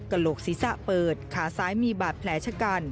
โหลกศีรษะเปิดขาซ้ายมีบาดแผลชะกัน